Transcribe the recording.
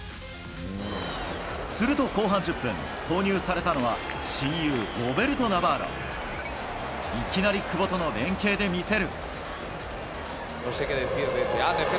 すると後半１０分、投入されたのは、親友、ロベルト・ナバーロ。いきなり久保との連係で見せる。